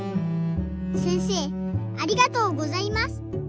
せんせいありがとうございます。